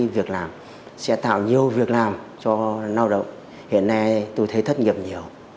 việc làm sẽ tạo nhiều việc làm cho lao động hiện nay tôi thấy thất nghiệp nhiều